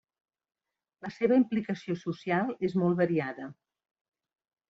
La seva implicació social és molt variada.